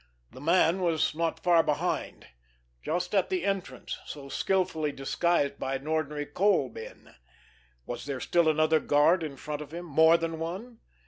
The man was not far behind—just at the entrance so skilfully disguised by an ordinary coal bin. Was there still another guard in front of him? More than one?